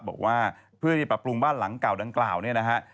บอกว่าเพื่อที่ปรับปรุงบ้านหลังเก่าดังกล่าวเนี่ยนะฮะ